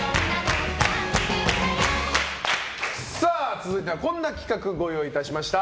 続いては、こんな企画ご用意いたしました。